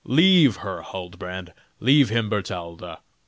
Leave her, Huldbrand! Leave him, Bertalda!